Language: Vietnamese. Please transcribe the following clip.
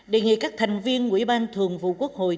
đề nghị các thành viên của ủy ban thường vụ quốc hội